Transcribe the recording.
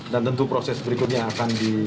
dan tentu proses berikutnya akan di